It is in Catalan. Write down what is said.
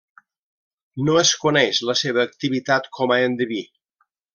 No es coneix la seva activitat com a endeví.